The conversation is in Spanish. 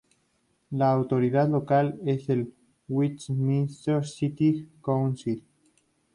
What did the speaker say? La autoridad local es el Westminster City Council.